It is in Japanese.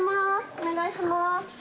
お願いします。